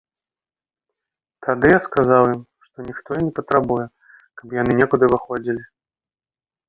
Тады я сказаў ім, што ніхто і не патрабуе, каб яны некуды выходзілі.